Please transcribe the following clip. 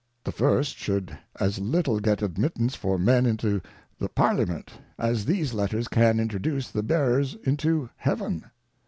The first should as little get admittance for Men into the Par liament, as these Letters can introduce the Bearers into Heaven.